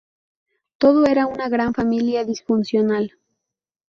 Todo era una gran familia disfuncional".